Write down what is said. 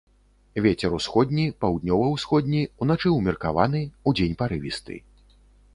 Вецер усходні, паўднёва-ўсходні, уначы ўмеркаваны, удзень парывісты.